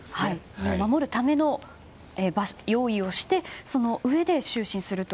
身を守るための用意をしてそのうえで就寝すると。